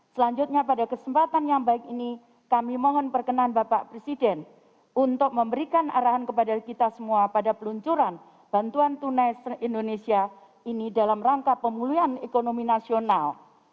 selanjutnya pada kesempatan yang baik ini kami mohon perkenan bapak presiden untuk memberikan arahan kepada kita semua pada peluncuran bantuan tunai indonesia ini dalam rangka pemulihan ekonomi nasional